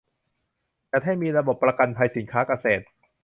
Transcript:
จัดให้มีระบบประกันภัยสินค้าเกษตร